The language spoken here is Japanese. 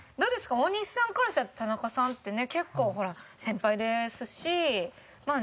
大西さんからしたら田中さんってね結構ほら先輩ですしまあね